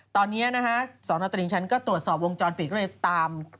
ตอนนี้นะฮะสนตริงชั้นก็ตรวจสอบวงจรปิดก็เลยตาม